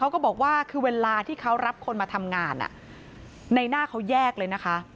ก็บอกว่าคือเวลาที่เขารับคนมาทำงานในหน้าเขาแยกเลยนะคะ